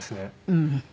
うん。